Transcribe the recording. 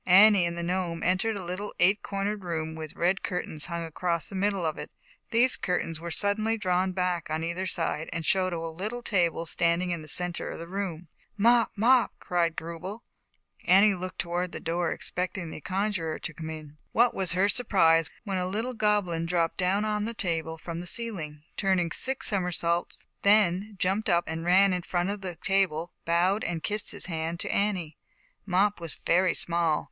Annie and the Gnome entered a little eight cornered room, with red curtains hung across the middle of it. These cur tains were suddenly drawn back on either side and showed a little table standing in the center of the room. ! Mop!" called Grubel. Annie looked toward the door, expecting the conjurer to come in. ^ ZAUBERLINDA, THE WISE WITCH. 161 What was her surprise, when a little Goblin dropped down on the table from the ceiling, turned six summersaults, then jumped up and ran to the front of the table, bowed and kissed his hand to Annie. Mop was very small.